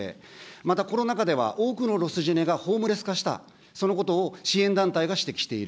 またコロナ禍では、多くのロスジェネがホームレス化した、そのことを支援団体が指摘している。